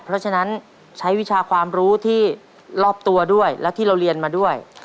เพราะฉะนั้นใช้วิชาความรู้ที่รอบตัวด้วยและที่เราเรียนมาด้วย